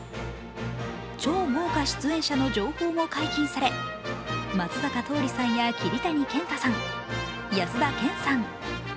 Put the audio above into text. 超豪華出演者の情報も解禁され、松坂桃李さんや桐谷健太さん、安田顕さん。